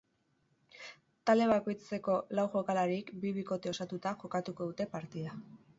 Talde bakoitzeko lau jokalarik, bi bikote osatuta, jokatuko dute partida.